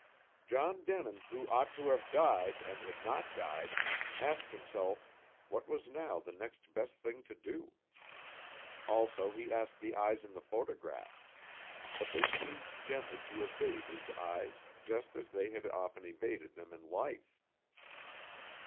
John Denin, who ought to have died and had not died, asked himself what was now the next best thing to do. Also he asked the eyes in the photograph, but they seemed gently to evade his eyes, just as they had often evaded them in life.